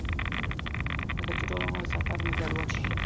لکه چې ټول سفر مې ګډوډ شي.